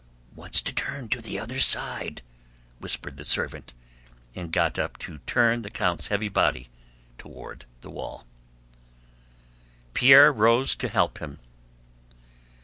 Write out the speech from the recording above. "Wants to turn on the other side," whispered the servant, and got up to turn the count's heavy body toward the wall. Pierre rose to help him.